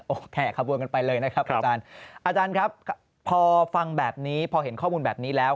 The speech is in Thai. โอ้โหแห่ขบวนกันไปเลยนะครับอาจารย์อาจารย์ครับพอฟังแบบนี้พอเห็นข้อมูลแบบนี้แล้ว